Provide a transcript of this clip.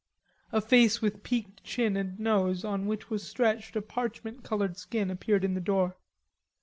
A face with peaked chin and nose on which was stretched a parchment colored skin appeared in the door.